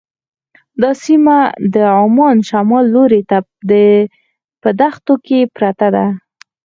دا سیمه د عمان شمال لوري ته په دښتو کې پرته ده.